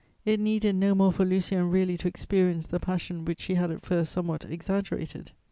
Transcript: It needed no more for Lucien really to experience the passion which he had at first somewhat exaggerated.